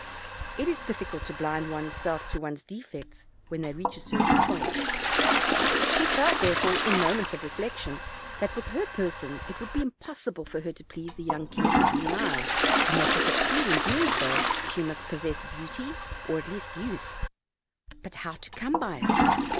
It is difficult to blind one's self to one's defects, when they reach a certain point; she felt, therefore, in moments of reflec tion, that, with her person, it would be imposible for her to please the young King of the Green Isles, and that to succeed in so doing she must possess beauty, or, at least, youth; bat how to come by it?